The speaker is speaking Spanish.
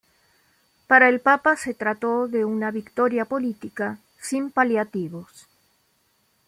Para el papa se trató de una victoria política sin paliativos.